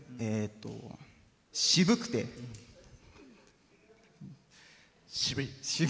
渋くて渋い。